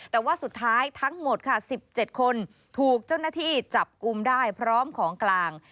แต่ว่าสุดท้ายทั้งหมดค่ะ๑๗คนถูกเจ้าหน้าที่จับกลุ่มได้พร้อมของกลาง